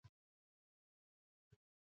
ګاندي هغه په عمل کې پلي کړه.